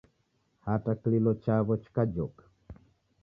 Hata kililo chaw'o chikajoka